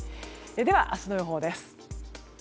では明日の予報です。